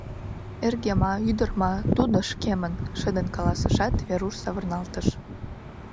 — Эрге ма, ӱдыр ма, тудо — шкемын! — шыдын каласышат, Веруш савырналтыш.